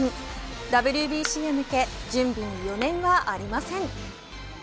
ＷＢＣへ向け準備に余念がありません。